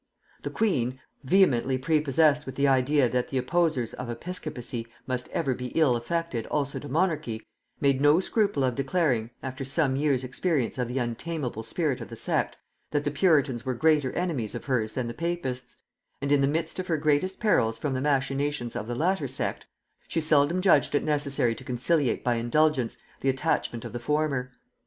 The queen, vehemently prepossessed with the idea that the opposers of episcopacy must ever be ill affected also to monarchy, made no scruple of declaring, after some years experience of the untameable spirit of the sect, that the puritans were greater enemies of hers than the papists; and in the midst of her greatest perils from the machinations of the latter sect, she seldom judged it necessary to conciliate by indulgence the attachment of the former.